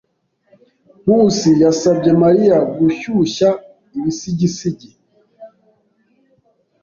Nkusi yasabye Mariya gushyushya ibisigisigi.